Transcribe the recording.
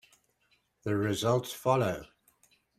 The results follow.